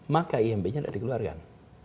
maka imb nya tidak dikeluarkan